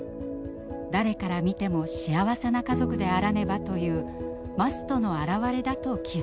誰から見ても幸せな家族であらねばという「ｍｕｓｔ」の表れだと気付いたのです。